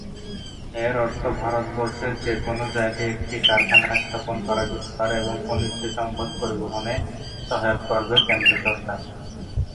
এর অর্থ ভারতবর্ষে যে কোনও জায়গায় একটি কারখানা স্থাপন করা যেতে পারে এবং খনিজ সম্পদ পরিবহনে সহায়ক করবে কেন্দ্র সরকার।